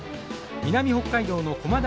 南北海道の駒大